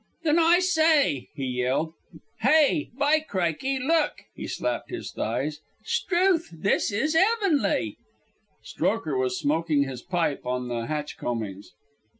Then: "I s'y!" he yelled. "Hey! By crickey! Look!" He slapped his thighs. "S'trewth! This is 'eavenly." Strokher was smoking his pipe on the hatch combings.